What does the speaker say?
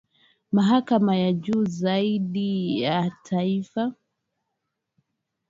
mahakama ya juu zaidi ya taifa